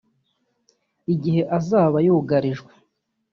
Igihe azaba yugarijwe